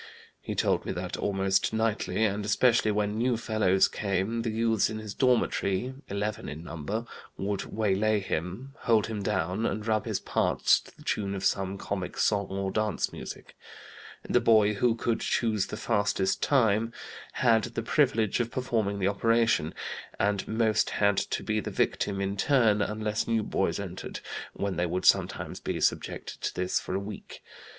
He told me that almost nightly, and especially when new fellows came, the youths in his dormitory (eleven in number) would waylay him, hold him down, and rub his parts to the tune of some comic song or dance music. The boy who could choose the fastest time had the privilege of performing the operation, and most had to be the victim in turn unless new boys entered, when they would sometimes be subjected to this for a week.